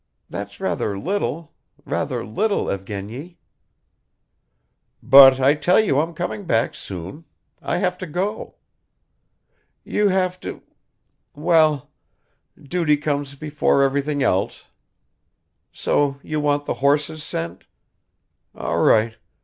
.. that's rather little, rather little, Evgeny." "But I tell you I'm coming back soon. I have to go." "You have to ... Well! Duty comes before everything else ... So you want the horses sent? All right.